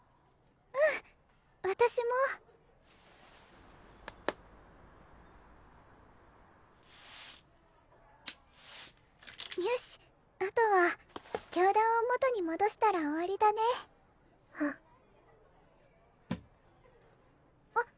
うん私もよしあとは教壇を元に戻したら終わりだねうんあっ